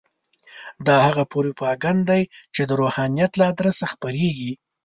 دا هغه پروپاګند دی چې د روحانیت له ادرسه خپرېږي.